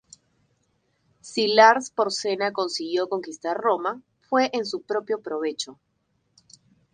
Si Lars Porsena consiguió conquistar Roma, fue en su propio provecho.